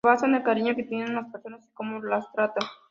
Se basa en el cariño que tiene en las personas y como las trata.